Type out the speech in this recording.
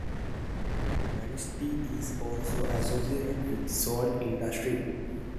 Manistee is also associated with the salt industry.